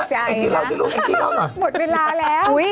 แองจิเล่าสิลูกแองจิเล่าเหรอหมดเวลาแล้วอุ๊ย